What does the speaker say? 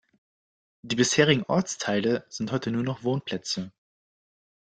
Die bisherigen Ortsteile sind heute nur noch Wohnplätze.